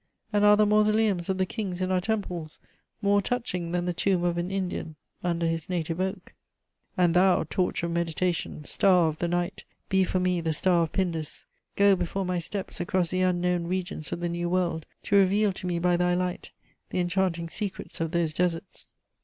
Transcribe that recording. And are the mausoleums of the kings in our temples more touching than the tomb of an Indian under his native oak? "And thou, torch of meditation, star of the night, be for me the star of Pindus! Go before my steps across the unknown regions of the New World, to reveal to me by thy light the enchanting secrets of those deserts!"